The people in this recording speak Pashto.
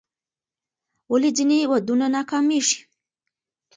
ولې ځینې ودونه ناکامیږي؟